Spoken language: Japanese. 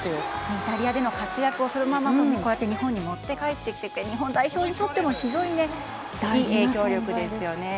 イタリアでの活躍をそのまま日本に持って帰っていて日本代表にとっても非常にいい影響力ですよね。